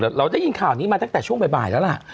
แต่เราได้ยินข่าวนี้มาตั้งแต่ช่วงบ่ายแล้วล่ะ